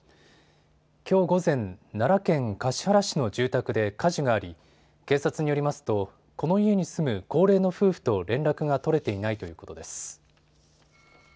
きょう午前、奈良県橿原市の住宅で火事があり警察によりますとこの家に住む高齢の夫婦と連絡が取れていないということです。